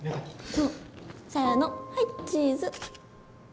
せのはいチーズ。